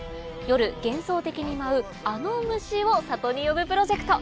夜幻想的に舞うあの虫を里に呼ぶプロジェクト。